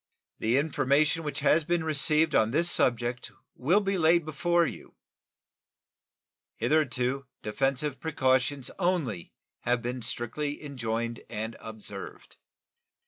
The information which has been received on this subject will be laid before you. Hitherto defensive precautions only have been strictly enjoined and observed.